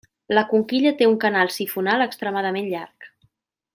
La conquilla té un canal sifonal extremadament llarg.